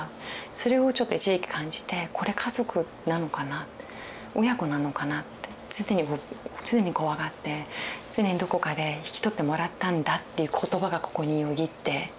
それをちょっと一時期感じて「これ家族なのかな親子なのかな」って常に怖がって常にどこかで「引き取ってもらったんだ」っていう言葉がここによぎって。